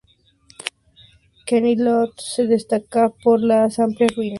Kenilworth se destaca por las amplias ruinas del castillo de Kenilworth.